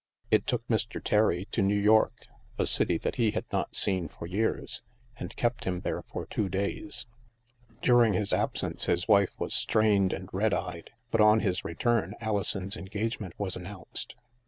It took Mr. Terry to New York — a city that he had not seen for years — and kept him there for two days. During his absence his wife was strained and red eyed; but on his return Alison's engagement was announced.